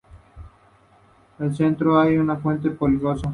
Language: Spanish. En el centro hay una fuente poligonal.